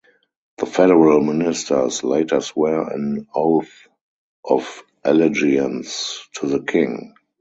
The federal ministers later swear an oath of allegiance to the king.